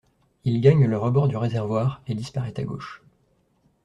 Il gagne le rebord du réservoir et disparaît à gauche.